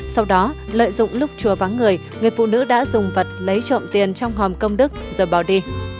sau đó lợi dụng lúc chùa vắng người người phụ nữ đã dùng vật lấy trộm tiền trong hòm công đức rồi bỏ đi